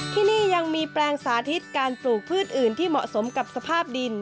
ที่นี่ยังมีแปลงสาธิตการปลูกพืชอื่นที่เหมาะสมกับสภาพดิน